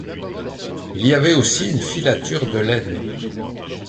Il y avait aussi une filature de laine.